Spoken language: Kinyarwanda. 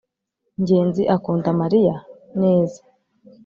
ngenzi akunda mariya? neza